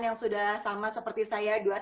yang sudah sama seperti saya